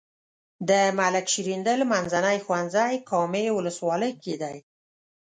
د ملک شیریندل منځنی ښوونځی کامې ولسوالۍ کې دی.